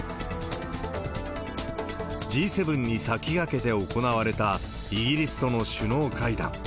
Ｇ７に先駆けて行われたイギリスとの首脳会談。